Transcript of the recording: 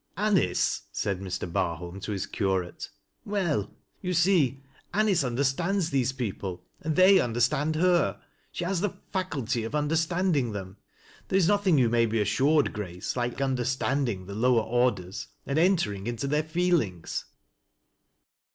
" Anice !" said Mr. Barholm to his curate, " well ! yoo see Anice understands these people, and they understaud her. She has the faculty of understanding them. There is nothing, you may be assured, Grace, like understanding the lower orders, and entering into their feelings."